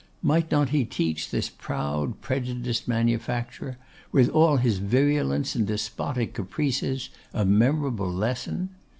Might not he teach this proud, prejudiced manufacturer, with all his virulence and despotic caprices, a memorable lesson?